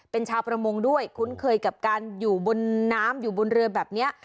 เป็นชาวประมงด้วยคุ้นเคยกับการอยู่บนน้ำอยู่บนเรือแบบนี้